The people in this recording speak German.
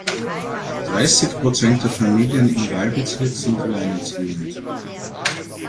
Dreißig Prozent der Familien im Wahlbezirk sind alleinerziehend.